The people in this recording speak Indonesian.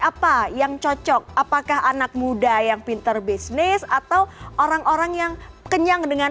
apa yang cocok apakah anak muda yang pinter bisnis atau orang orang yang kenyang dengan